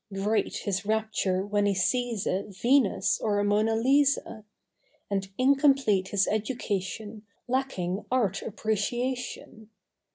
Great his rapture when he sees a Venus or a Mona Lisa; And incomplete his education Lacking Art Appreciation.